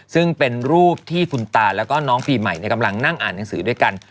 ซึ่งเป็นรูปที่คุณตาแล้วก็น้องปีใหม่กำลังนั่งอ่านหนังสือด้วยกัน